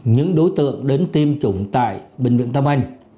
những đối tượng đến tiêm chủng tại bệnh viện tâm anh